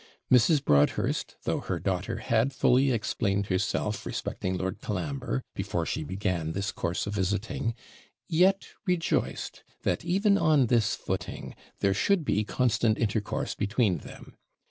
Mrs. Broadhurst, though her daughter had fully explained herself respecting Lord Colambre, before she began this course of visiting, yet rejoiced that, even on this footing, there should be constant intercourse between them.